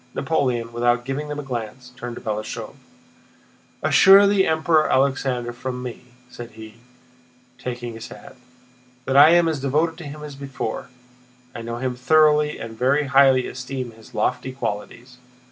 Napoleon, without giving them a glance, turned to Balashëv: "Assure the Emperor Alexander from me," said he, taking his hat, "that I am as devoted to him as before: I know him thoroughly and very highly esteem his lofty qualities.